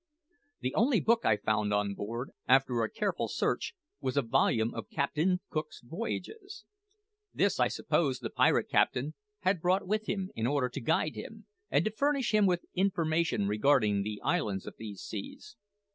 The only book I found on board, after a careful search, was a volume of Captain Cook's voyages. This, I suppose, the pirate captain had brought with him in order to guide him, and to furnish him with information regarding the islands of these seas.